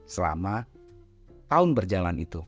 selama tahun berjalan itu